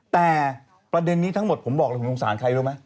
แต่ประเด็นนี้ทั้งหมดผมบอกเลยผมสงสารใครรู้ไหม